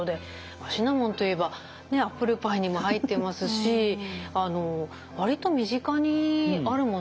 シナモンといえばアップルパイにも入ってますしわりと身近にあるものですよね。